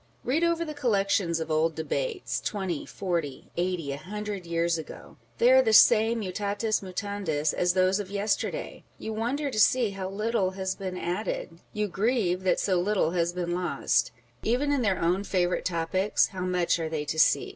Read over the collections of old Debates, twenty, forty, eighty, a hundred years ago ; they are the same mutatis mutandis, as those of yesterday. You wonder to see how little has been added ; you grieve that so little has been lost. Even in their own favourite Writing and Speaking. 381 topics, how much are they to seek